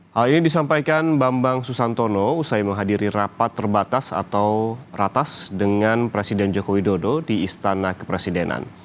hal ini disampaikan bambang susantono usai menghadiri rapat terbatas atau ratas dengan presiden joko widodo di istana kepresidenan